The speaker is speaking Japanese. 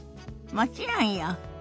もちろんよ。